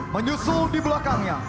menyusul di belakangnya